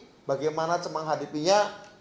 jadi bagaimana cemang hadipinya